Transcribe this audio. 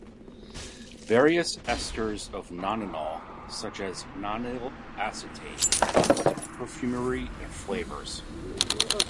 Various esters of nonanol, such as nonyl acetate, are used in perfumery and flavors.